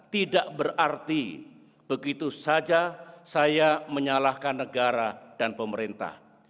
tidak berarti begitu saja saya menyalahkan negara dan pemerintah